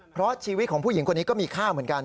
เพราะชีวิตของผู้หญิงคนนี้ก็มีค่าเหมือนกัน